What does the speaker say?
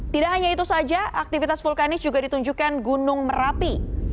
tidak hanya itu saja aktivitas vulkanis juga ditunjukkan gunung merapi